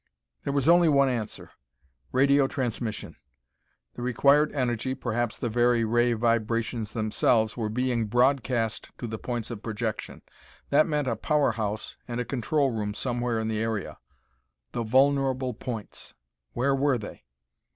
There was only one answer. Radio transmission. The required energy, perhaps the very ray vibrations themselves, were being broadcast to the points of projection. That meant a power house and a control room somewhere in the area. The vulnerable points! Where were they?